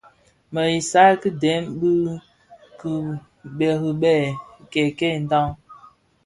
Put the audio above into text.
Më isal ki dèm dhi kibëri bè kèkèè ndhaň.